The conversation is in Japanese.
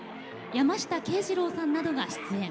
山下敬二郎さんなどが出演。